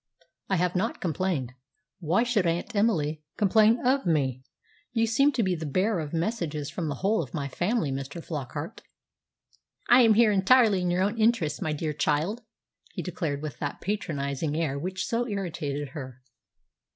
"I have not complained. Why should Aunt Emily complain of me? You seem to be the bearer of messages from the whole of my family, Mr. Flockart." "I am here entirely in your own interests, my dear child," he declared with that patronising air which so irritated her.